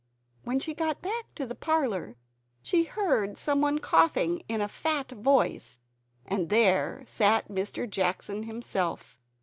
When she got back to the parlor, she heard some one coughing in a fat voice; and there sat Mr. Jackson himself.